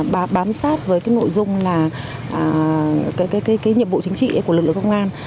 và bám sát với cái nội dung là cái nhiệm vụ chính trị của lực lượng công an